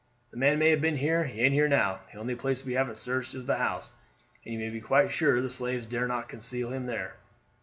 "The man may have been here; he ain't here now. The only place we haven't; searched is the house, and you may be quite sure the slaves dare not conceal him there.